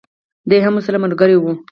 دی هم ورسره ملګری وو.